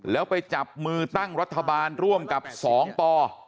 แล้วไปจับมือตั้งรัฐบาลร่วมกับ๒ป